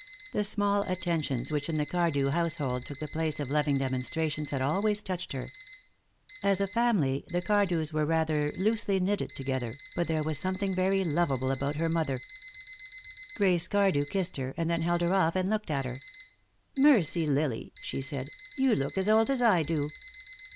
The small attentions which in the Cardew household took the place of loving demonstrations had always touched her. As a family the Cardews were rather loosely knitted together, but there was something very lovable about her mother. Grace Cardew kissed her, and then held her off and looked at her. "Mercy, Lily!" she said, "you look as old as I do."